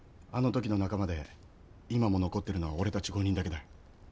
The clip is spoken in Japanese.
あの時の仲間で今も残ってるのは俺たち５人だけだ。